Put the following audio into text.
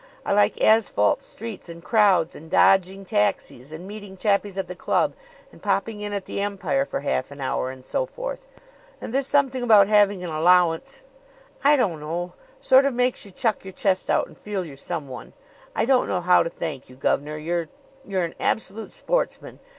I like asphalt streets and crowds and dodging taxis and meeting chappies at the club and popping in at the Empire for half an hour and so forth. And there's something about having an allowance I don't know ... sort of makes you chuck your chest out and feel you're someone. I don't know how to thank you, gov'nor! You're you're an absolute sportsman!